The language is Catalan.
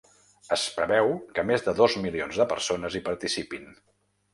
Es preveu que més de dos milions de persones hi participin.